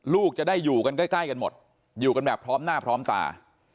ลูกจะได้อยู่กันใกล้กันหมดอยู่กันแบบพร้อมหน้าพร้อมตา